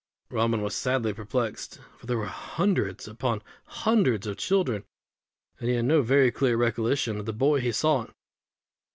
Robin was sadly perplexed; for there were hundreds upon hundreds of children; and he had no very clear recollection of the boy he sought.